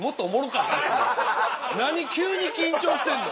何急に緊張してんの？